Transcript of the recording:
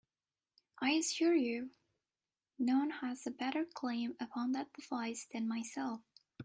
I assure you, none has a better claim upon that device than myself.